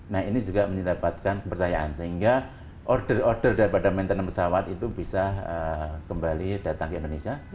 nah ini juga mendapatkan kepercayaan sehingga order order daripada maintenance pesawat itu bisa kembali datang ke indonesia